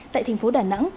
tại thành phố đà nẵng